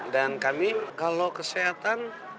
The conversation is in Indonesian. dan kami kalau kesehatan